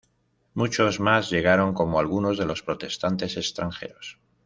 Muchos más llegaron como algunos de los protestantes extranjeros.